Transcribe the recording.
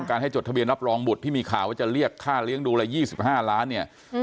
ให้จดทะเบียนรับรองบุตรที่มีข่าวว่าจะเรียกค่าเลี้ยงดูละ๒๕ล้านเนี่ย